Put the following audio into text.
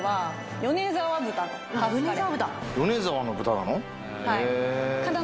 米澤の豚なの？